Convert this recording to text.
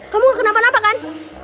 kamu kenapa napa kan